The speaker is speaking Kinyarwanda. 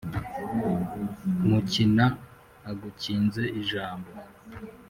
mukina agukinze ijambo